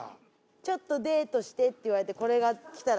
「ちょっとデートして」って言われてこれが来たら。